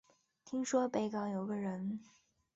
听说北港有个人